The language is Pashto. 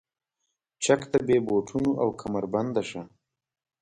چک ته بې بوټونو او کمربنده شه.